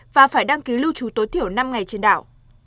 và phải đăng ký lưu trú tối thiểu năm ngày trên đảo